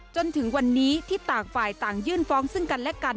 จนถึงวันนี้ที่ต่างฝ่ายต่างยื่นฟ้องซึ่งกันและกัน